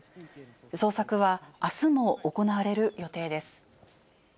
捜索はあすも行われる予定です。